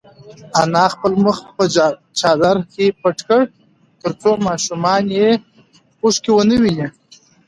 انا خپل مخ په چادر کې پټ کړ ترڅو ماشوم یې اوښکې ونه ویني.